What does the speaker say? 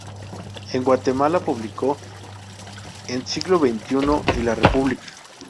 En Guatemala publicó en Siglo Veintiuno y La República.